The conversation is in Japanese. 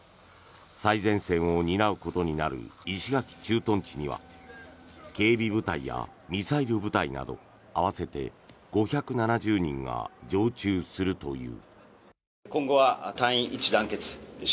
最前線を担うことになる石垣駐屯地には警備部隊やミサイル部隊など合わせて５７０人が常駐するという。